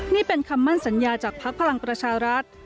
นี่เป็นคำมั่นสัญญาจากพักภัลังประชารักษณ์